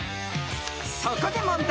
［そこで問題］